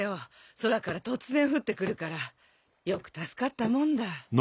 空から突然降ってくるからよく助かったもんだ